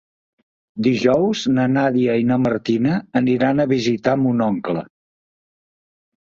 Dijous na Nàdia i na Martina aniran a visitar mon oncle.